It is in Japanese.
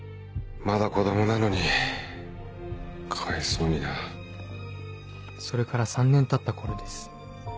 まだ子供なのにかわいそうになそれから３年たった頃です。